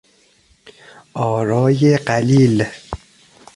آرای قلیل